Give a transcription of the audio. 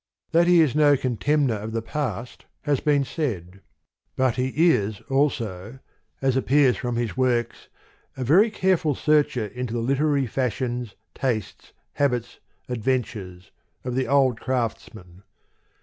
That he is no contemner of the past, has been said : THE POEMS OF MR. BRIDGES. but he is also, as appears from his works, a very careful searcher into the literary fash ions, tastes, habits, adventures, of the old craftsmen.